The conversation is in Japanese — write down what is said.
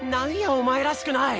お前らしくない。